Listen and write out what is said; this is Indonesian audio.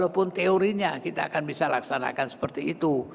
kita tidak akan bisa laksanakan seperti itu